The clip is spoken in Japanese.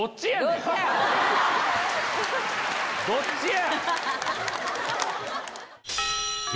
どっちや！